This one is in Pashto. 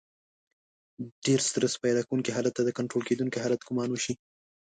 د ډېر سټرس پيدا کوونکي حالت ته د کنټرول کېدونکي حالت ګمان وشي.